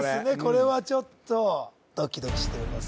これはちょっとドキドキしております